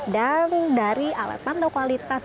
dan dari alat pantau kualitas